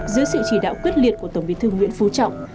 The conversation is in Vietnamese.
dưới sự chỉ đạo quyết liệt của tổng bí thư nguyễn phú trọng